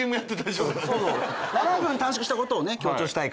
７分短縮したことを強調したいから。